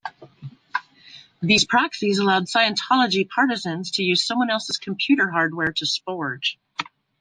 These proxies allowed Scientology partisans to use someone else's computer hardware to sporge.